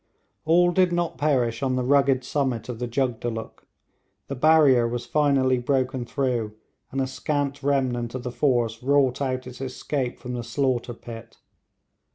All did not perish on the rugged summit of the Jugdulluk. The barrier was finally broken through, and a scant remnant of the force wrought out its escape from the slaughter pit.